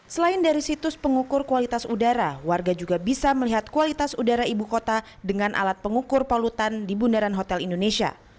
selain dari situs pengukur kualitas udara warga juga bisa melihat kualitas udara ibu kota dengan alat pengukur polutan di bundaran hotel indonesia